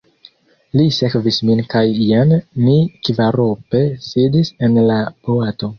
Li sekvis min kaj jen ni kvarope sidis en la boato.